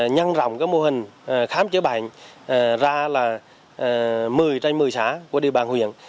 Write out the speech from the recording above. nhăn rộng mô hình khám chữa bệnh ra một mươi trên một mươi xã của địa bàn huyện